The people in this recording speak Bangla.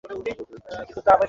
হেই, হেই হেই কি?